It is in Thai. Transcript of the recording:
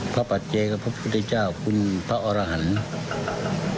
พระปัชเจกษ์คือพระพุทธเจ้าครูพหารหรรภัณฑ์